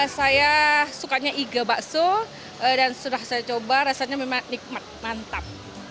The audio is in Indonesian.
saya sukanya iga bakso dan sudah saya coba rasanya memang nikmat mantap